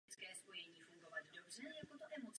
Osud dalších součástí sousoší zůstává neznámý.